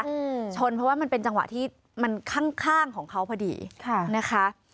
เพราะว่ามันเป็นจังหวะที่มันข้างของเขาพอดีนะคะ